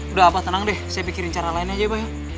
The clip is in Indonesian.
udah abah tenang deh saya pikirin cara lain aja ya bayang